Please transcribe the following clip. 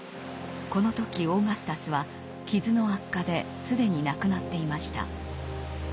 この時オーガスタスは傷の悪化で既に亡くなっていました。